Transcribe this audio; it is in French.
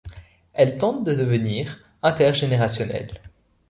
Elle tente de devenir intergénérationnelle.